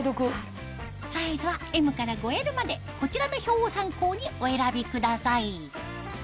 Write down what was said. サイズはＭから５Ｌまでこちらの表を参考にお選びください